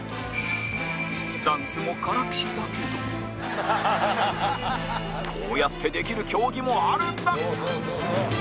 ダンスも、からきしだけどこうやってできる競技もあるんだ！